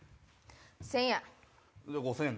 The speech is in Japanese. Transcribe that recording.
１０００円。